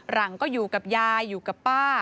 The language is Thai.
หลังก็อยู่กับยายอยู่กับป้า